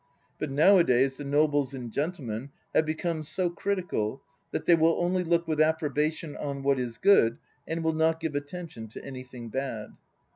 But nowadays the nobles and gentlemen have become so critical that they will only look with approbation on what is good and will not give attention to anything bad.